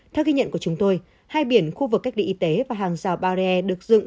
theo ghi nhận của chúng tôi hai biển khu vực cách địa y tế và hàng rào barrier được dựng